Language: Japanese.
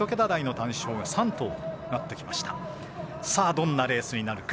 どんなレースになるか。